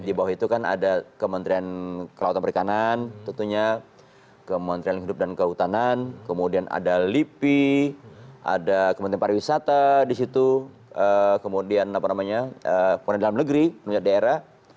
di bawah itu kan ada kementerian kelautan perikanan tentunya kementerian hidup dan kehutanan kemudian ada lipi ada kementerian pariwisata di situ kemudian kementerian dalam negeri pemerintah daerah